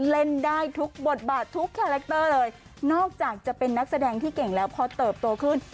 เล่นได้ทุกบทบาททุกคาแรคเตอร์เลยนอกจากจะเป็นนักแสดงที่เก่งแล้วพอเติบโตขึ้น